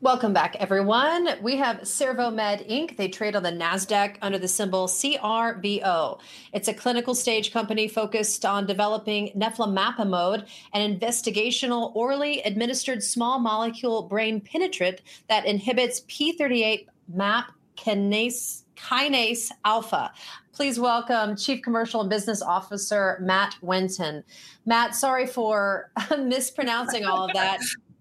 Welcome back, everyone. We have CervoMed Inc. they trade on the Nasdaq under the symbol CRBO. It's a clinical-stage company focused on developing neflamapimod, an investigational orally administered small molecule brain penetrant that inhibits p38 MAP kinase alpha. Please welcome Chief Commercial and Business Officer Matt Wenton. Matt, sorry for mispronouncing all of that.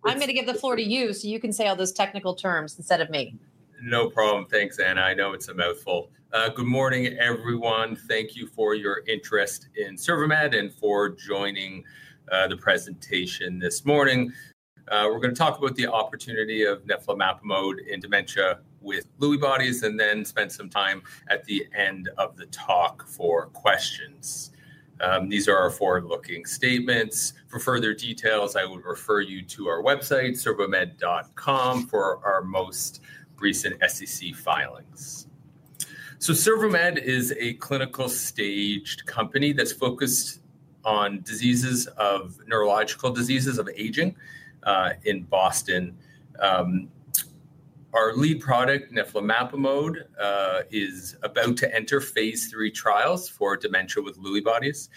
I'm going to give the floor to you so you can say all those technical terms instead of me. No problem. Thanks, Anna. I know it's a mouthful. Good morning, everyone. Thank you for your interest in CervoMed and for joining the presentation this morning. We're going to talk about the opportunity of neflamapimod in dementia with Lewy bodies and then spend some time at the end of the talk for questions. These are our forward-looking statements. For further details, I would refer you to our website, CervoMed.com, for our most recent SEC filings. CervoMed is a clinical-stage company that's focused on neurological diseases of aging in Boston. Our lead product, neflamapimod, is about to enter phase three trials for dementia with Lewy bodies.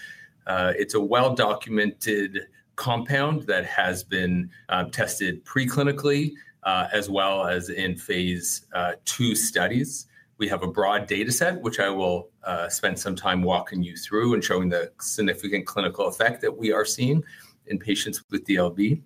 It's a well-documented compound that has been tested preclinically, as well as in phase two studies. We have a broad data set, which I will spend some time walking you through and showing the significant clinical effect that we are seeing in patients with DLB.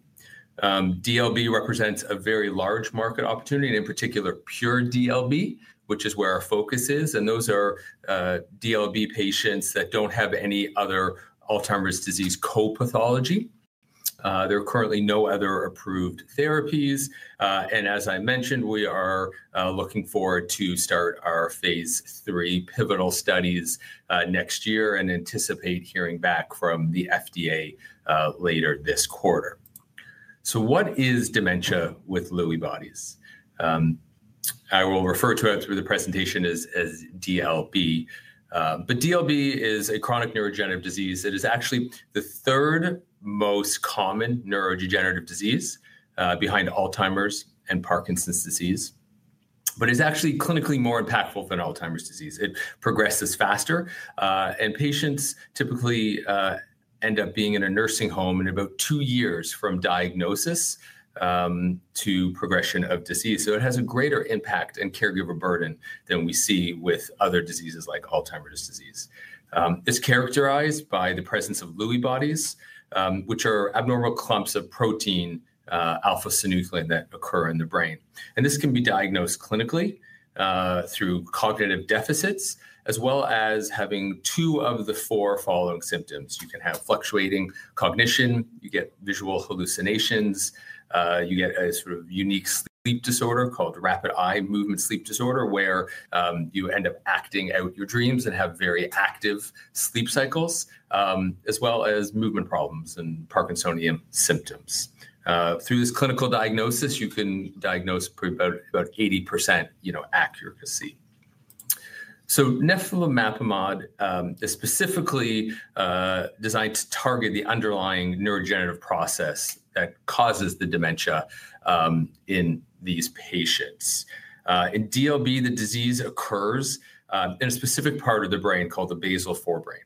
DLB represents a very large market opportunity and, in particular, pure DLB, which is where our focus is. Those are DLB patients that don't have any other Alzheimer's disease co-pathology. There are currently no other approved therapies. As I mentioned, we are looking forward to start our Phase 3 pivotal studies next year and anticipate hearing back from the FDA later this quarter. What is dementia with Lewy bodies? I will refer to it through the presentation as DLB, but DLB is a chronic neurodegenerative disease that is actually the third most common neurodegenerative disease behind Alzheimer's and Parkinson's disease. It is actually clinically more impactful than Alzheimer's disease. It progresses faster, and patients typically end up being in a nursing home in about two years from diagnosis to progression of disease. It has a greater impact and caregiver burden than we see with other diseases like Alzheimer's disease. It's characterized by the presence of Lewy bodies, which are abnormal clumps of protein alpha-synuclein that occur in the brain. This can be diagnosed clinically through cognitive deficits, as well as having two of the four following symptoms. You can have fluctuating cognition, you get visual hallucinations, you get a unique sleep disorder called rapid eye movement sleep disorder, where you end up acting out your dreams and have very active sleep cycles, as well as movement problems and Parkinsonian symptoms. Through this clinical diagnosis, you can diagnose about 80% accuracy. Neflamapimod is specifically designed to target the underlying neurodegenerative process that causes the dementia in these patients. In DLB, the disease occurs in a specific part of the brain called the basal forebrain.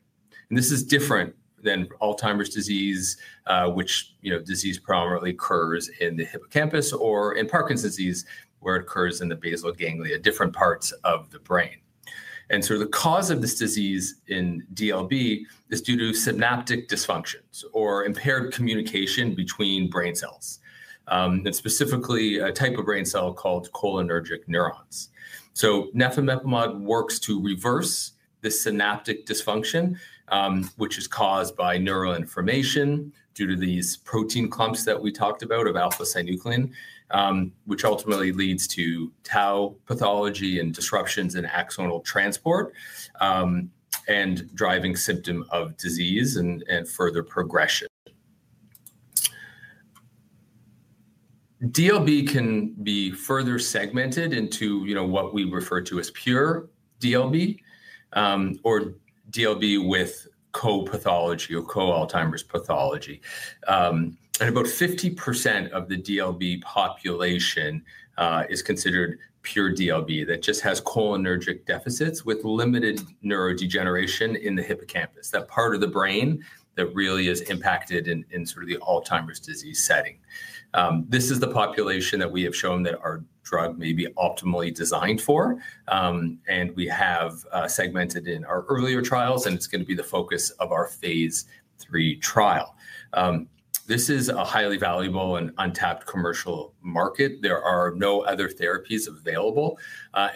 This is different than Alzheimer's disease, which predominantly occurs in the hippocampus, or in Parkinson's disease, where it occurs in the basal ganglia, different parts of the brain. The cause of this disease in DLB is due to synaptic dysfunctions or impaired communication between brain cells, specifically a type of brain cell called cholinergic neurons. Neflamapimod works to reverse the synaptic dysfunction, which is caused by neuroinflammation due to these protein clumps that we talked about of alpha-synuclein, which ultimately leads to tau pathology and disruptions in axonal transport and driving symptom of disease and further progression. DLB can be further segmented into what we refer to as pure DLB or DLB with co-pathology or co-Alzheimer's pathology. About 50% of the DLB population is considered pure DLB that just has cholinergic deficits with limited neurodegeneration in the hippocampus, that part of the brain that really is impacted in the Alzheimer's disease setting. This is the population that we have shown that our drug may be optimally designed for, and we have segmented in our earlier trials, and it's going to be the focus of our phase three trial. This is a highly valuable and untapped commercial market. There are no other therapies available.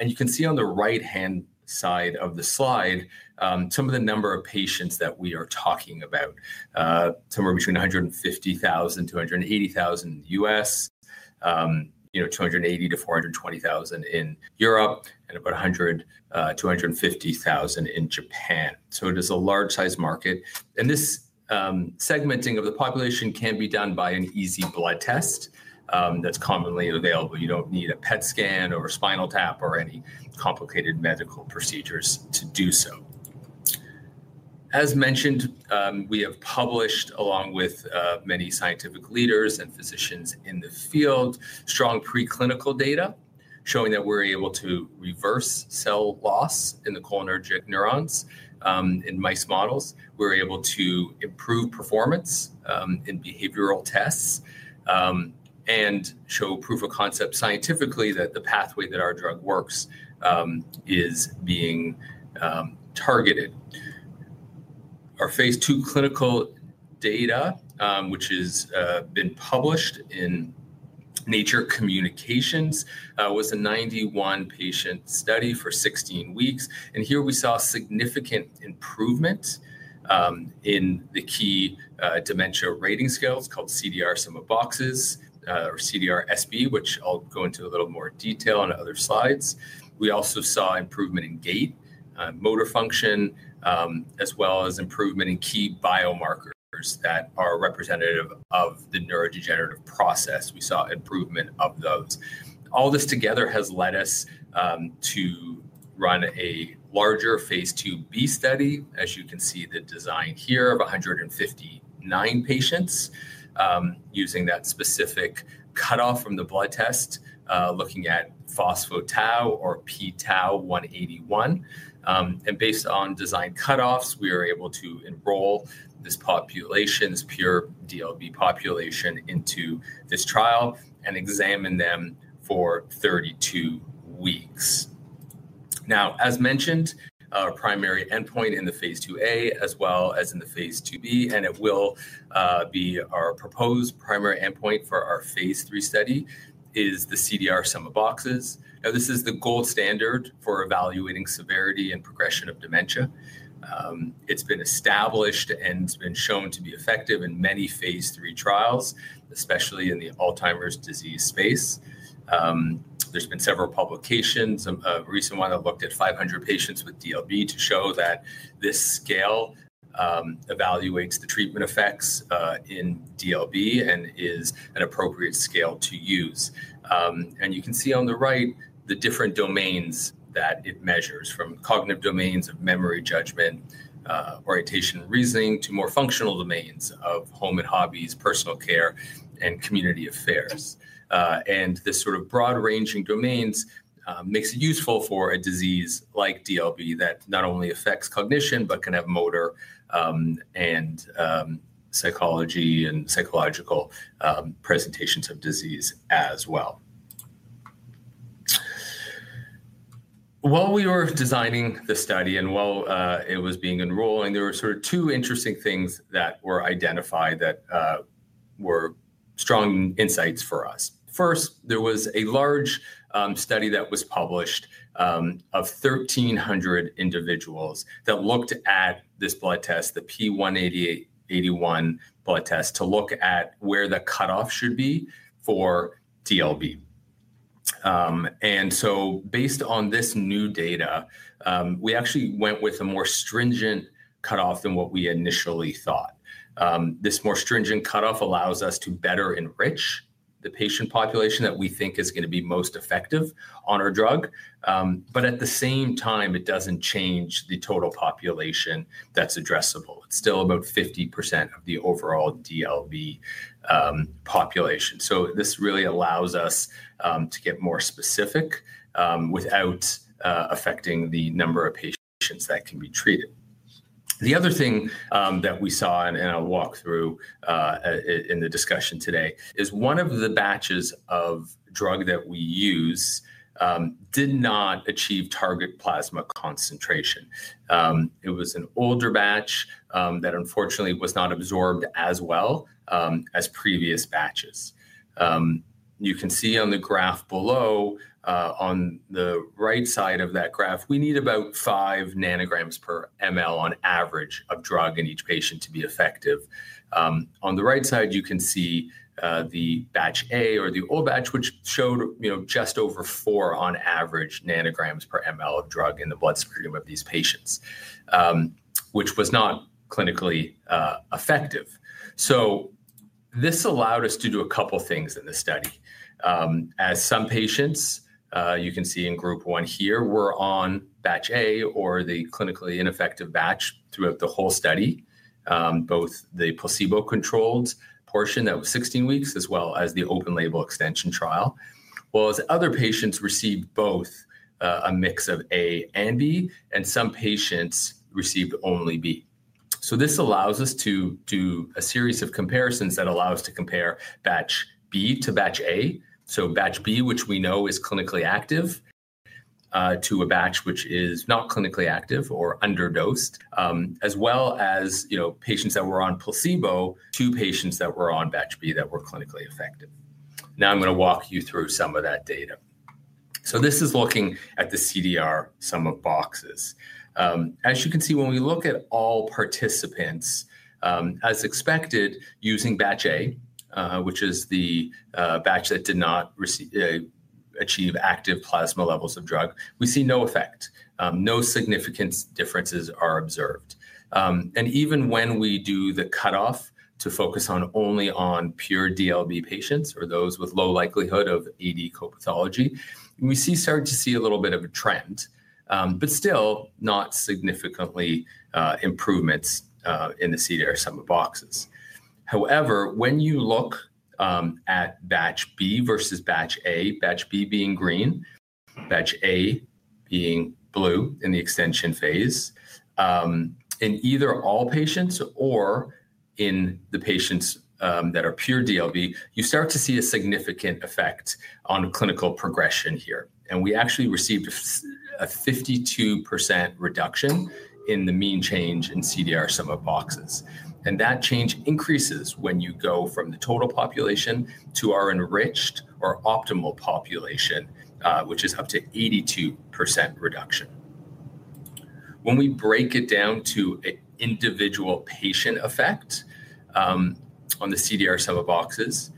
You can see on the right-hand side of the slide some of the number of patients that we are talking about, somewhere between 150,000-180,000 in the U.S., 280,000-420,000 in Europe, and about 100,000-250,000 in Japan. It is a large-sized market. This segmenting of the population can be done by an easy blood test that's commonly available. You don't need a PET scan or spinal tap or any complicated medical procedures to do so. As mentioned, we have published, along with many scientific leaders and physicians in the field, strong preclinical data showing that we're able to reverse cell loss in the cholinergic neurons in mice models. We're able to improve performance in behavioral tests and show proof of concept scientifically that the pathway that our drug works is being targeted. Our phase 2 clinical data, which has been published in Nature Communications, was a 91-patient study for 16 weeks. Here we saw significant improvement in the key dementia rating scales called CDR-Sum of Boxes or CDR-SB, which I'll go into a little more detail on other slides. We also saw improvement in gait and motor function, as well as improvement in key biomarkers that are representative of the neurodegenerative process. We saw improvement of those. All this together has led us to run a larger phase 2b study, as you can see the design here of 159 patients using that specific cutoff from the blood test, looking at phospho tau or p-tau 181. Based on design cutoffs, we are able to enroll this population, this pure DLB population into this trial and examine them for 32 weeks. Now, as mentioned, our primary endpoint in the phase 2a, as well as in the phase 2b, and it will be our proposed primary endpoint for our phase 3 study is the CDR-Sum of Boxes. This is the gold standard for evaluating severity and progression of dementia. It's been established and has been shown to be effective in many phase 3 trials, especially in the Alzheimer's disease space. There have been several publications. A recent one looked at 500 patients with DLB to show that this scale evaluates the treatment effects in DLB and is an appropriate scale to use. You can see on the right the different domains that it measures from cognitive domains of memory, judgment, orientation, and reasoning to more functional domains of home and hobbies, personal care, and community affairs. This broad-ranging domains makes it useful for a disease like DLB that not only affects cognition but can have motor and psychological presentations of disease as well. While we were designing the study and while it was being enrolled, there were two interesting things that were identified that were strong insights for us. First, there was a large study that was published of 1,300 individuals that looked at this blood test, the p-tau 181 blood test, to look at where the cutoff should be for DLB. Based on this new data, we actually went with a more stringent cutoff than what we initially thought. This more stringent cutoff allows us to better enrich the patient population that we think is going to be most effective on our drug, but at the same time, it doesn't change the total population that's addressable. It's still about 50% of the overall DLB population. This really allows us to get more specific without affecting the number of patients that can be treated. The other thing that we saw in a walkthrough in the discussion today is one of the batches of drug that we use did not achieve target plasma concentration. It was an older batch that unfortunately was not absorbed as well as previous batches. You can see on the graph below, on the right side of that graph, we need about 5 ng/mL on average of drug in each patient to be effective. On the right side, you can see the batch A or the old batch, which showed just over 4 on average ng/mL of drug in the blood speculum of these patients, which was not clinically effective. This allowed us to do a couple of things in the study. As some patients, you can see in group one here, were on batch A or the clinically ineffective batch throughout the whole study, both the placebo-controlled portion that was 16 weeks, as well as the open-label extension trial. While other patients received both a mix of A and B, and some patients received only B. This allows us to do a series of comparisons that allow us to compare batch B to batch A, so batch B, which we know is clinically active, to a batch which is not clinically active or under-dosed, as well as patients that were on placebo. Patients that were on batch B that were clinically effective. Now I'm going to walk you through some of that data. This is looking at the CDR-Sum of Boxes scale. As you can see, when we look at all participants, as expected, using batch A, which is the batch that did not achieve active plasma levels of drug, we see no effect. No significant differences are observed. Even when we do the cutoff to focus only on pure DLB patients or those with low likelihood of AD co-pathology, we started to see a little bit of a trend, but still not significant improvements in the CDR-Sum of Boxes scale. However, when you look at batch B versus batch A, batch B being green, batch A being blue in the extension phase, in either all patients or in the patients that are pure DLB, you start to see a significant effect on clinical progression here. We actually received a 52% reduction in the mean change in CDR-Sum of Boxes scale. That change increases when you go from the total population to our enriched or optimal population, which is up to 82% reduction. When we break it down to an individual patient effect on the CDR-Sum of Boxes scale,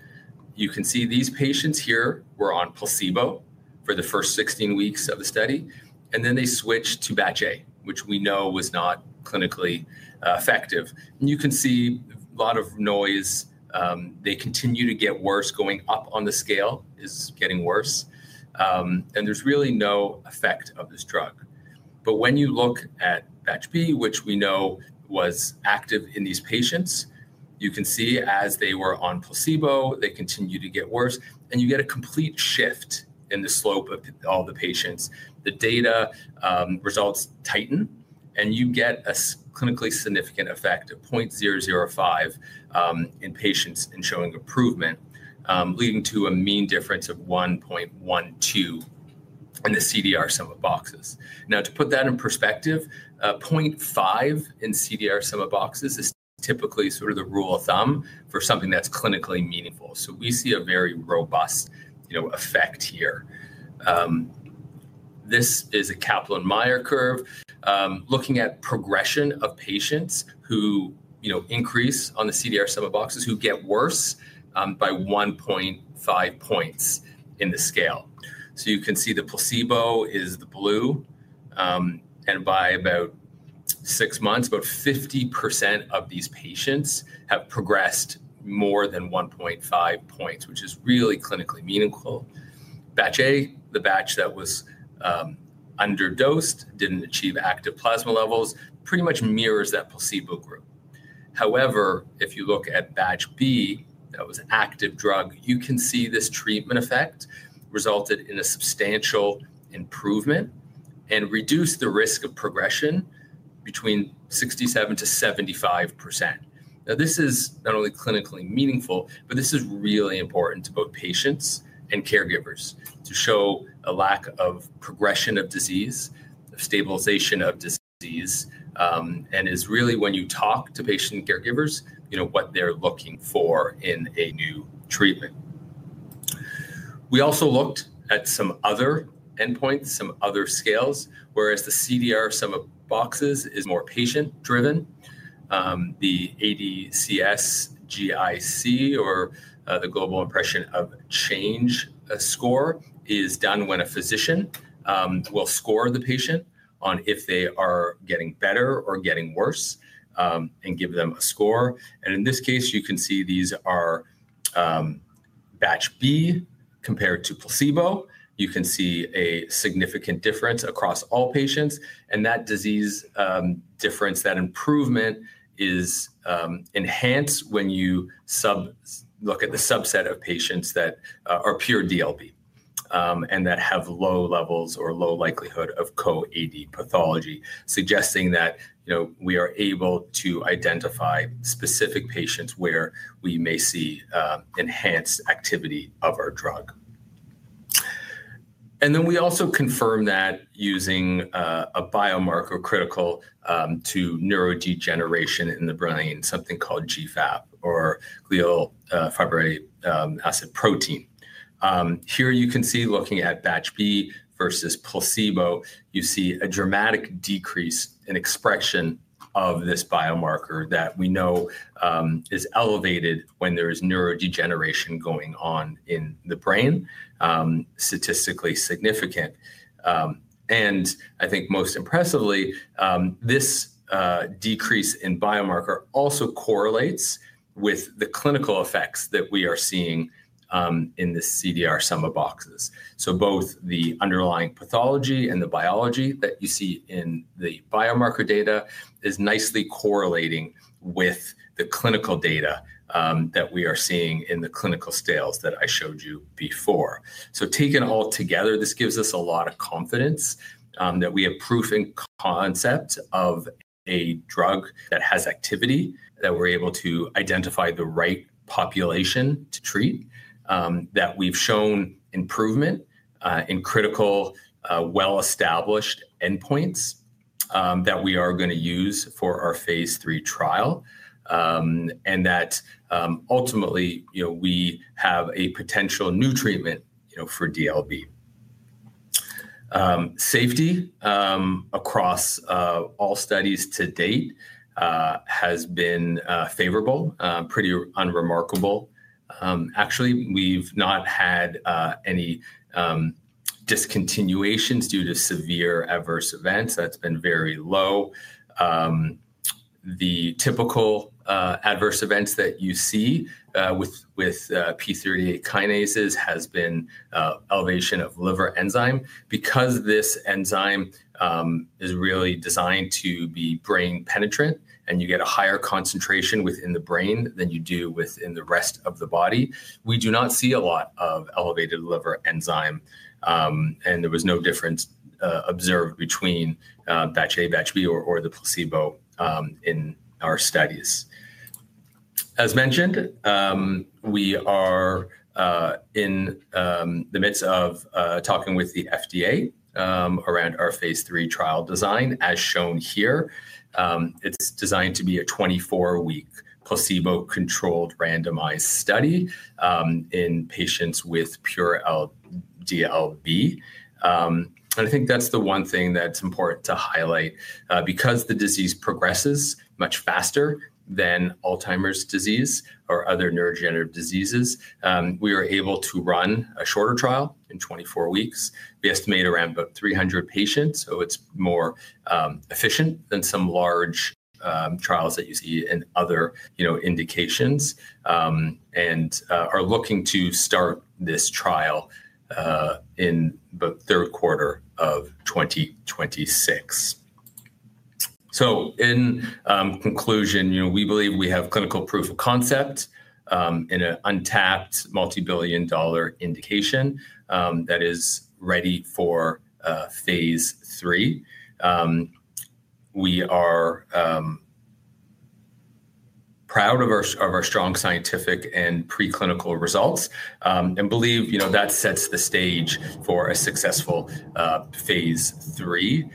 you can see these patients here were on placebo for the first 16 weeks of the study, and then they switched to batch A, which we know was not clinically effective. You can see a lot of noise. They continue to get worse. Going up on the scale is getting worse. There's really no effect of this drug. When you look at batch B, which we know was active in these patients, you can see as they were on placebo, they continue to get worse, and you get a complete shift in the slope of all the patients. The data results tighten, and you get a clinically significant effect of 0.005 in patients in showing improvement, leading to a mean difference of 1.12 in the CDR-Sum of Boxes. To put that in perspective, 0.5 in CDR-Sum of Boxes is typically the rule of thumb for something that's clinically meaningful. We see a very robust effect here. This is a Kaplan-Meier curve looking at progression of patients who increase on the CDR-Sum of Boxes, who get worse by 1.5 points in the scale. You can see the placebo is the blue, and by about six months, about 50% of these patients have progressed more than 1.5 points, which is really clinically meaningful. Batch A, the batch that was under-dosed, didn't achieve active plasma levels, pretty much mirrors that placebo group. However, if you look at batch B, that was active drug, you can see this treatment effect resulted in a substantial improvement and reduced the risk of progression between 67%-75%. This is not only clinically meaningful, but this is really important to both patients and caregivers to show a lack of progression of disease, stabilization of disease, and is really when you talk to patient and caregivers, what they're looking for in a new treatment. We also looked at some other endpoints, some other scales, whereas the CDR-Sum of Boxes is more patient-driven. The ADCS GIC or the Global Impression of Change score is done when a physician will score the patient on if they are getting better or getting worse and give them a score. In this case, you can see these are batch B compared to placebo. You can see a significant difference across all patients, and that disease difference, that improvement is enhanced when you look at the subset of patients that are pure DLB and that have low levels or low likelihood of co-AD pathology, suggesting that we are able to identify specific patients where we may see enhanced activity of our drug. We also confirmed that using a biomarker critical to neurodegeneration in the brain, something called GFAP or glial fibrillary acidic protein. Here you can see, looking at batch B versus placebo, you see a dramatic decrease in expression of this biomarker that we know is elevated when there is neurodegeneration going on in the brain, statistically significant. I think most impressively, this decrease in biomarker also correlates with the clinical effects that we are seeing in the CDR-Sum of Boxes scale. Both the underlying pathology and the biology that you see in the biomarker data is nicely correlating with the clinical data that we are seeing in the clinical scales that I showed you before. Taken all together, this gives us a lot of confidence that we have proof in concept of a drug that has activity, that we're able to identify the right population to treat, that we've shown improvement in critical well-established endpoints that we are going to use for our phase three trial, and that ultimately we have a potential new treatment for DLB. Safety across all studies to date has been favorable, pretty unremarkable. Actually, we've not had any discontinuations due to severe adverse events. That's been very low. The typical adverse events that you see with P38 kinases has been elevation of liver enzyme. Because this enzyme is really designed to be brain penetrant, and you get a higher concentration within the brain than you do within the rest of the body, we do not see a lot of elevated liver enzyme, and there was no difference observed between batch A, batch B, or the placebo in our studies. As mentioned, we are in the midst of talking with the FDA around our phase 3 trial design, as shown here. It's designed to be a 24-week placebo-controlled randomized study in patients with pure DLB. I think that's the one thing that's important to highlight. Because the disease progresses much faster than Alzheimer's disease or other neurodegenerative diseases, we are able to run a shorter trial in 24 weeks. We estimate around about 300 patients, so it's more efficient than some large trials that you see in other indications, and are looking to start this trial in the third quarter of 2026. In conclusion, we believe we have clinical proof of concept in an untapped multi-billion dollar indication that is ready for phase 3. We are proud of our strong scientific and preclinical results and believe that sets the stage for a successful phase 3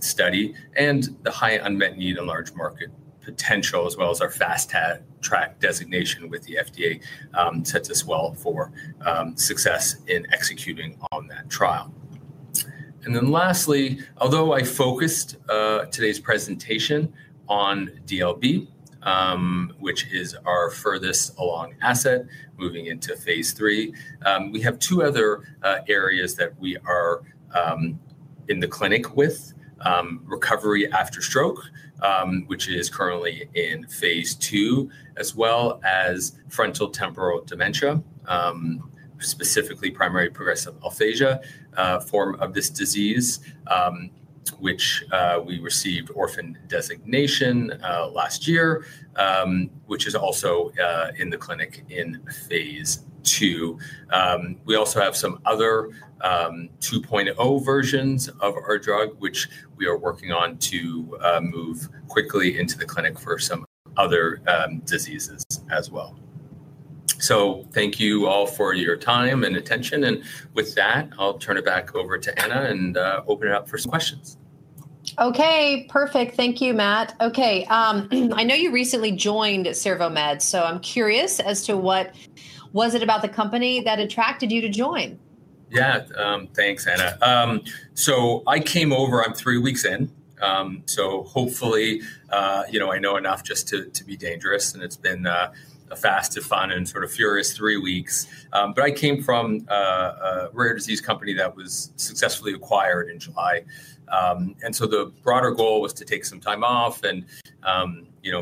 study, and the high unmet need and large market potential, as well as our fast-track designation with the FDA, sets us well for success in executing on that trial. Lastly, although I focused today's presentation on DLB, which is our furthest along asset moving into phase 3, we have two other areas that we are in the clinic with. Recovery after stroke, which is currently in phase 2, as well as frontotemporal dementia, specifically primary progressive aphasia form of this disease, which we received orphan drug designation last year, which is also in the clinic in phase 2. We also have some other 2.0 versions of our drug, which we are working on to move quickly into the clinic for some other diseases as well. Thank you all for your time and attention. With that, I'll turn it back over to Anna and open it up for some questions. Okay, perfect. Thank you, Matt. I know you recently joined CervoMed, so I'm curious as to what was it about the company that attracted you to join? Yeah, thanks, Anna. I came over, I'm three weeks in, so hopefully I know enough just to be dangerous, and it's been a fast and fun and furious three weeks. I came from a rare disease company that was successfully acquired in July. The broader goal was to take some time off and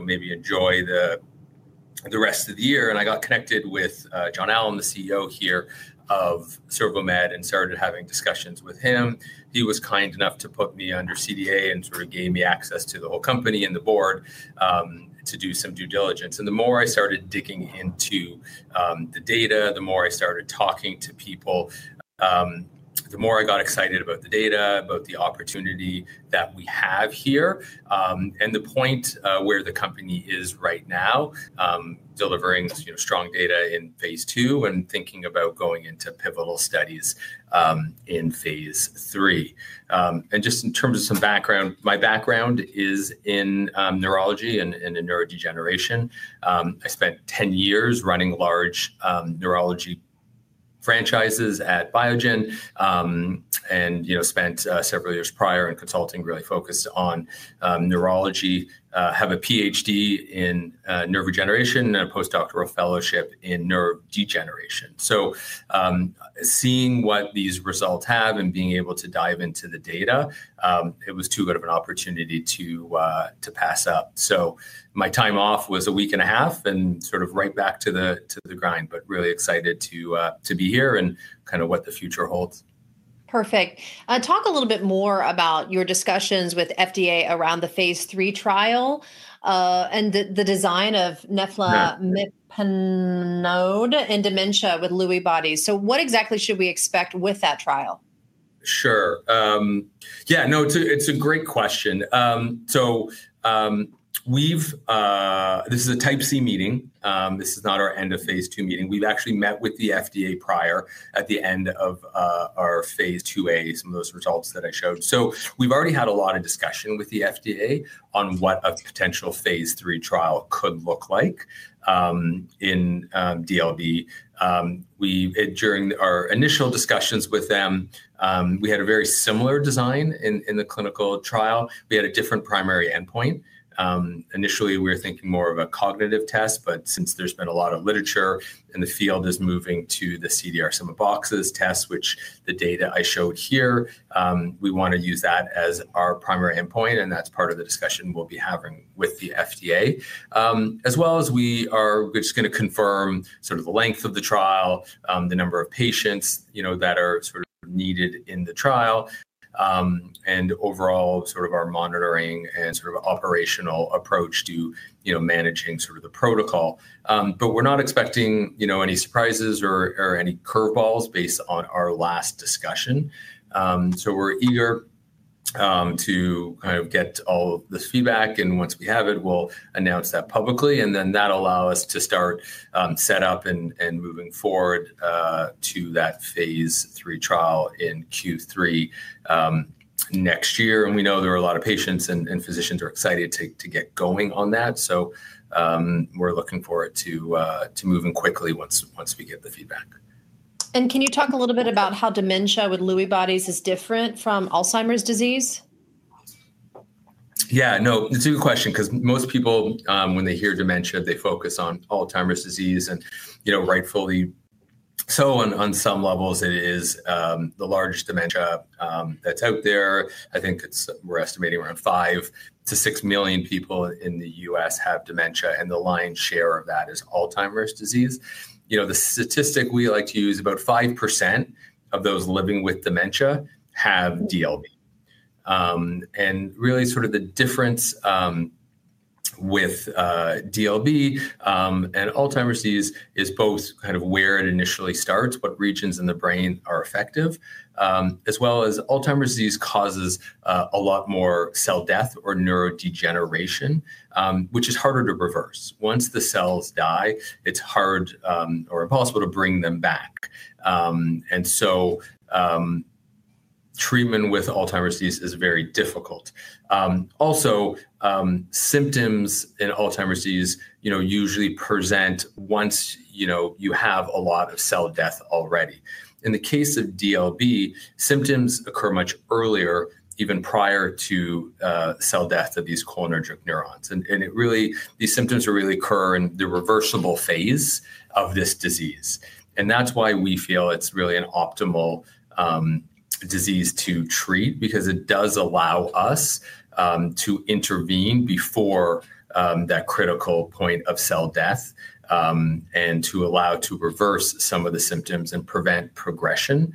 maybe enjoy the rest of the year. I got connected with John Alam, the CEO here of CervoMed, and started having discussions with him. He was kind enough to put me under CDA and gave me access to the whole company and the board to do some due diligence. The more I started digging into the data, the more I started talking to people, the more I got excited about the data, about the opportunity that we have here, and the point where the company is right now, delivering strong data in phase 2 and thinking about going into pivotal studies in phase 3. Just in terms of some background, my background is in neurology and in neurodegeneration. I spent 10 years running large neurology franchises at Biogen and spent several years prior in consulting really focused on neurology. I have a PhD in nerve regeneration and a postdoctoral fellowship in nerve degeneration. Seeing what these results have and being able to dive into the data, it was too good of an opportunity to pass up. My time off was a week and a half and right back to the grind, but really excited to be here and what the future holds. Perfect. Talk a little bit more about your discussions with FDA around the phase three trial and the design of neflamapimod in dementia with Lewy bodies. What exactly should we expect with that trial? Sure. Yeah, no, it's a great question. This is a type C meeting. This is not our end of phase 2 meeting. We've actually met with the FDA prior at the end of our phase 2a, some of those results that I showed. We've already had a lot of discussion with the FDA on what a potential phase 3 trial could look like in DLB. During our initial discussions with them, we had a very similar design in the clinical trial. We had a different primary endpoint. Initially, we were thinking more of a cognitive test, but since there's been a lot of literature and the field is moving to the CDR-Sum of Boxes scale, which the data I showed here, we want to use that as our primary endpoint, and that's part of the discussion we'll be having with the FDA, as well as we are just going to confirm the length of the trial, the number of patients that are needed in the trial, and overall our monitoring and operational approach to managing the protocol. We're not expecting any surprises or any curveballs based on our last discussion. We're eager to get all this feedback, and once we have it, we'll announce that publicly, and that allows us to start set up and moving forward to that phase 3 trial in Q3 next year. We know there are a lot of patients and physicians who are excited to get going on that. We're looking forward to moving quickly once we get the feedback. Can you talk a little bit about how dementia with Lewy bodies is different from Alzheimer's disease? Yeah, no, it's a good question because most people, when they hear dementia, they focus on Alzheimer's disease, and rightfully so, on some levels, it is the largest dementia that's out there. I think we're estimating around 5 million-6 million people in the US have dementia, and the lion's share of that is Alzheimer's disease. The statistic we like to use is about 5% of those living with dementia have DLB. Really, the difference with DLB and Alzheimer's disease is both where it initially starts, what regions in the brain are affected, as well as Alzheimer's disease causes a lot more cell death or neurodegeneration, which is harder to reverse. Once the cells die, it's hard or impossible to bring them back. Treatment with Alzheimer's disease is very difficult. Also, symptoms in Alzheimer's disease usually present once you have a lot of cell death already. In the case of DLB, symptoms occur much earlier, even prior to cell death of these cholinergic neurons. These symptoms really occur in the reversible phase of this disease. That's why we feel it's really an optimal disease to treat because it does allow us to intervene before that critical point of cell death and to allow to reverse some of the symptoms and prevent progression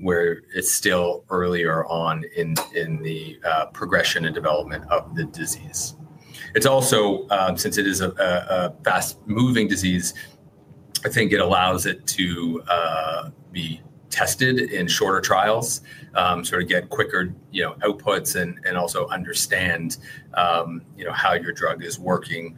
where it's still earlier on in the progression and development of the disease. Also, since it is a fast-moving disease, I think it allows it to be tested in shorter trials, get quicker outputs, and also understand how your drug is working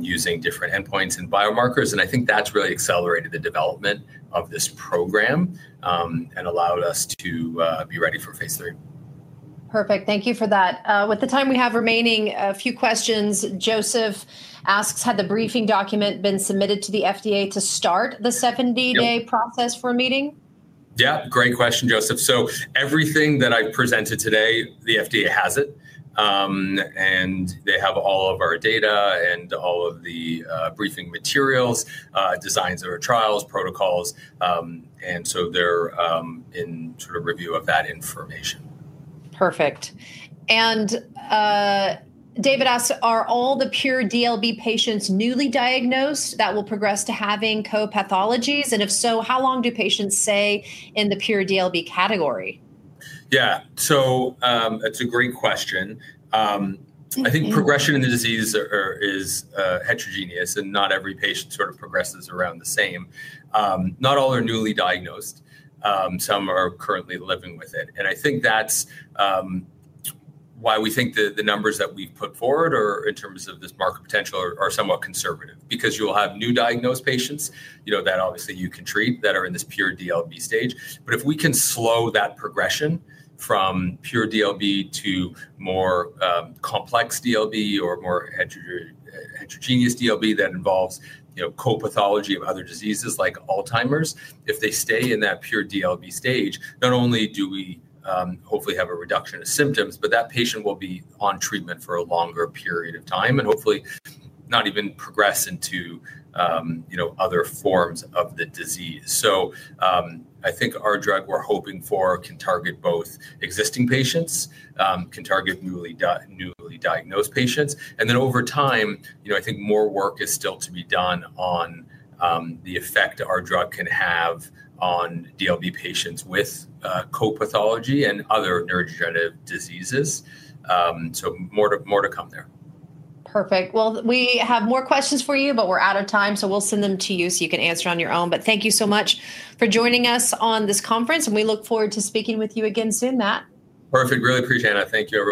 using different endpoints and biomarkers. I think that's really accelerated the development of this program and allowed us to be ready for phase 3. Perfect. Thank you for that. With the time we have remaining, a few questions. Joseph asks, "Had the briefing document been submitted to the FDA to start the 70-day process for a meeting? Great question, Joseph. Everything that I've presented today, the FDA has it, and they have all of our data and all of the briefing materials, designs of our trials, protocols, and they're in review of that information. Perfect. David asks, "Are all the pure DLB patients newly diagnosed that will progress to having co-pathologies? If so, how long do patients stay in the pure DLB category? Yeah, it's a great question. I think progression in the disease is heterogeneous, and not every patient progresses around the same. Not all are newly diagnosed. Some are currently living with it. I think that's why we think the numbers that we've put forward in terms of this market potential are somewhat conservative because you will have new diagnosed patients that obviously you can treat that are in this pure DLB stage. If we can slow that progression from pure DLB to more complex DLB or more heterogeneous DLB that involves co-pathology of other diseases like Alzheimer's, if they stay in that pure DLB stage, not only do we hopefully have a reduction of symptoms, but that patient will be on treatment for a longer period of time and hopefully not even progress into other forms of the disease. I think our drug we're hoping for can target both existing patients, can target newly diagnosed patients, and then over time, I think more work is still to be done on the effect our drug can have on DLB patients with co-pathology and other neurodegenerative diseases. More to come there. Perfect. We have more questions for you, but we're out of time, so we'll send them to you so you can answer on your own. Thank you so much for joining us on this conference, and we look forward to speaking with you again soon, Matt. Perfect. Really appreciate it, Anna. Thank you.